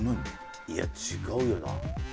いや違うよな。